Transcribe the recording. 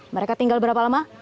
mereka tinggal berapa lama